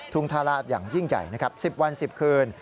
งธาราชอย่างยิ่งใหญ่นะครับ๑๐วัน๑๐คืน